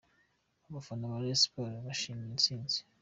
Abafana ba Rayon Sports bishimira intsinzi.